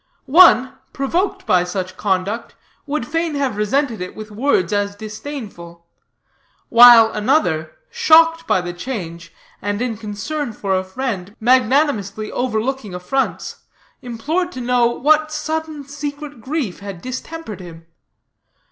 "One, provoked by such conduct, would fain have resented it with words as disdainful; while another, shocked by the change, and, in concern for a friend, magnanimously overlooking affronts, implored to know what sudden, secret grief had distempered him.